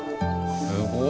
すごい。